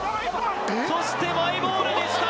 そして、マイボールにした。